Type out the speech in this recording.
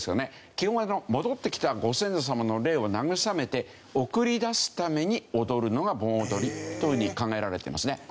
基本は戻って来たご先祖様の霊を慰めて送り出すために踊るのが盆踊りというふうに考えられてますね。